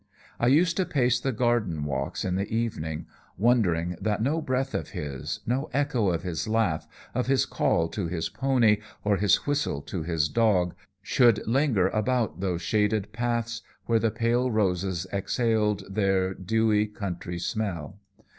I used to pace the garden walks in the evening, wondering that no breath of his, no echo of his laugh, of his call to his pony or his whistle to his dogs, should linger about those shaded paths where the pale roses exhaled their dewy, country smell.